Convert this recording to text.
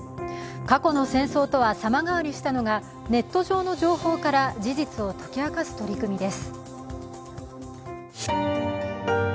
過去の戦争とは様変わりしたのがネット上の情報から事実を解き明かす取り組みです。